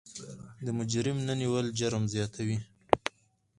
د مجرم نه نیول جرم زیاتوي.